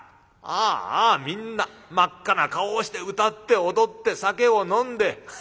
ああみんな真っ赤な顔をして歌って踊って酒を飲んで」。